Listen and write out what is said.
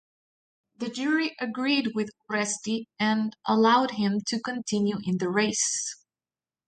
The jury agreed with Urresti and allowed him to continue in the race.